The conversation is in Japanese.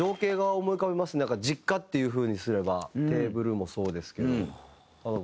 実家っていう風にすれば「テーブル」もそうですけど。